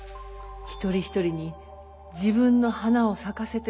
一人一人に自分の花を咲かせてほしい。